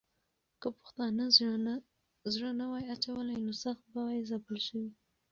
که پښتانه زړه نه وای اچولی، نو سخت به وای ځپل سوي.